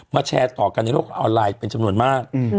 แชร์ต่อกันในโลกออนไลน์เป็นจำนวนมาก